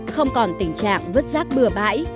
không còn tình trạng vứt rác bừa bãi